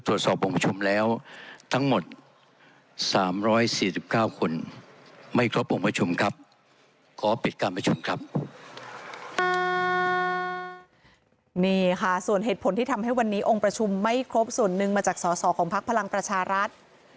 ตรวจสอบองค์ประชุมแล้วทั้งหมด๓๔๙คนไม่เข้าบองค์ประชุมครับ